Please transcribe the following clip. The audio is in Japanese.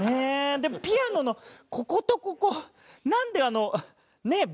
でもピアノのこことここなんであのねえ。